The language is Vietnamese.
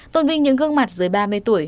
tôn vinh những gương mặt dưới ba mươi tuổi